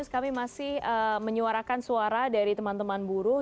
kami masih menyuarakan suara dari teman teman buruh